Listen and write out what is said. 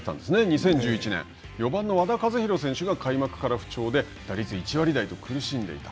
２０１１年、４番の選手が開幕から不調で、打率１割台と苦しんでいた。